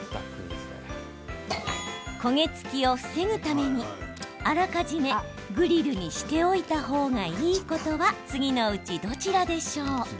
焦げ付きを防ぐためにあらかじめグリルにしておいた方がいいことは次のうち、どちらでしょう？